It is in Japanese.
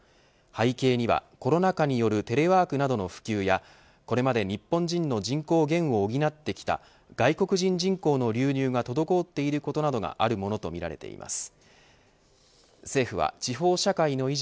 背景にはコロナ禍によるテレワークなどの普及やこれまで日本人の人口減を補ってきた外国人人口の流入が滞っていることなどがあるものとみられています。